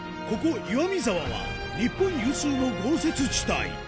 ここ岩見沢は日本有数の豪雪地帯